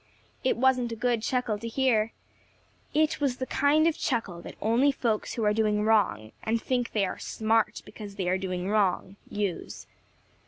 It wasn't a good chuckle to hear. It was the kind of chuckle that only folks who are doing wrong, and think they are smart because they are doing wrong, use.